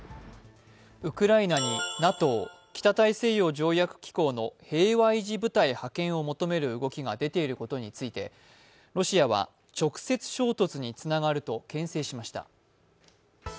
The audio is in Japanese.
ウクライナにＮＡＴＯ＝北大西洋条約機構の平和維持部隊派遣を求める動きが出ていることについてロシアは、直接衝突につながるとけん制しました。